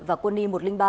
và quân y một trăm linh ba